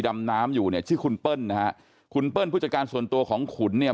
ดำน้ำอยู่เนี่ยชื่อคุณเปิ้ลนะฮะคุณเปิ้ลผู้จัดการส่วนตัวของขุนเนี่ย